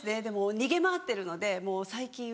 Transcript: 逃げ回ってるので最近は。